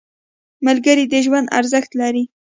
• ملګری د ژوند ارزښت لري.